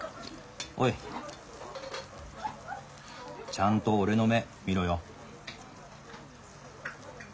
ちゃんと俺の目見ろよ。